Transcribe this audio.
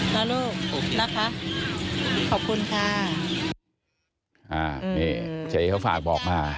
นะลูกคุณค่ะ